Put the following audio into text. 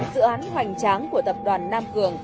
dự án hoành tráng của tập đoàn nam cường